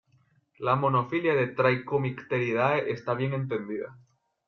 La monofilia de Trichomycteridae está bien entendida.